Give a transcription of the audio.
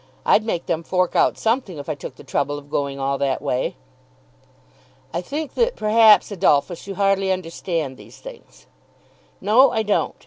I'd make them fork out something if I took the trouble of going all that way." "I think that perhaps, Adolphus, you hardly understand these things." "No, I don't.